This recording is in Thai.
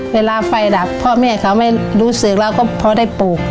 เวลาไฟดับพ่อแม่เขาไม่รู้สึกเราก็พอได้ปลูก